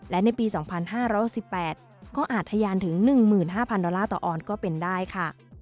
และในปี๒๕๖๘ก็อาจทะยานถึง๑๕๐๐ดอลลาร์ต่อออนก็เป็นได้ค่ะ